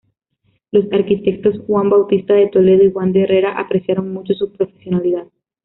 Los arquitectos Juan Bautista de Toledo y Juan de Herrera apreciaron mucho su profesionalidad.